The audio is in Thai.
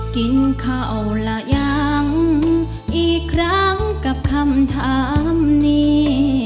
กินข้าวละยังอีกครั้งกับคำถามนี้